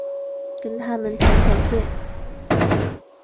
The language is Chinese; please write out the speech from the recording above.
跟他们谈条件